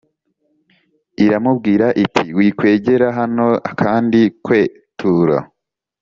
Iramubwira iti Wikwegera hano kandi kwetura